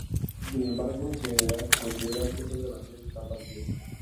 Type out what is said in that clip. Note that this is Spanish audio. Sin embargo, en general se considera que estas garantías están vacías.